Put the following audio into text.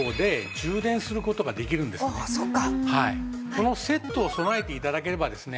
このセットを備えて頂ければですね